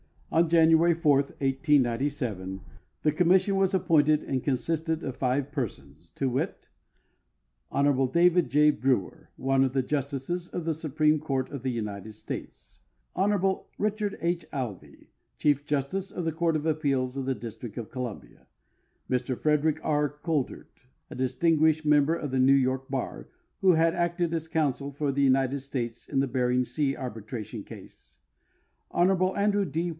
On Jan uary 4, 1897, the commission was appointed, and consisted of five persons, viz : Hon. David J. Brewer, one of the justices of the Supreme Court of the United States ; Hon. Richard H. Alvey, Chief Justice of the Court of Appeals of the District of Columbia ; Mr Frederick R. Coudert, a distinguished member of the New York bar, who had acted as counsel for the United States in tlie Bering Sea arbitra tion case ; Hon. Andrew D.